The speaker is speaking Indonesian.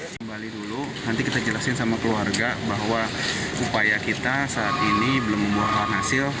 kembali dulu nanti kita jelasin sama keluarga bahwa upaya kita saat ini belum membuahkan hasil